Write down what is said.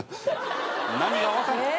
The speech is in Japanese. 何が分かるん。